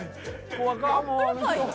怖かもうあの人。